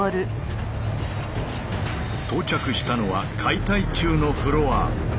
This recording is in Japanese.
到着したのは解体中のフロア。